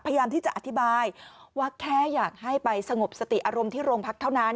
พยายามที่จะอธิบายว่าแค่อยากให้ไปสงบสติอารมณ์ที่โรงพักเท่านั้น